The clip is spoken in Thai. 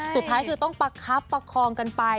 สุดท้ายคือต้องประคับประคองกันไป